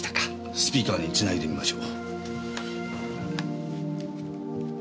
スピーカーに繋いでみましょう。